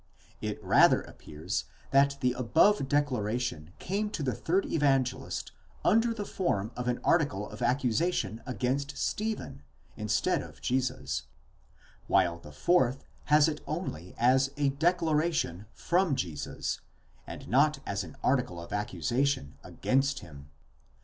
It rather appears that the above declaration came to the third Evangelist under the form of an article of accusation against Stephen, instead of Jesus; while the fourth has it only as a declaration from Jesus, and not as an article of accusation against him.